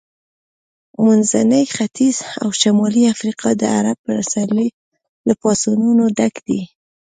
منځنی ختیځ او شمالي افریقا د عرب پسرلي له پاڅونونو ډک دي.